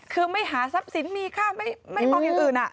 คือไม่หาทรัพย์สินมีค่าไม่พออย่างอื่น